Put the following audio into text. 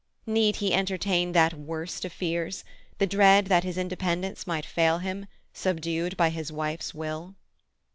Need he entertain that worst of fears—the dread that his independence might fail him, subdued by his wife's will?